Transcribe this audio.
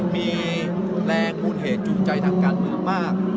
มีแรงมูลเหตุจูงใจทางการเมืองมาก